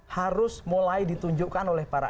harus mulai ditunjukkan oleh para